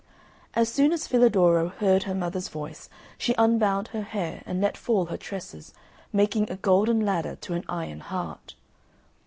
As soon as Filadoro heard her mother's voice she unbound her hair and let fall her tresses, making a golden ladder to an iron heart.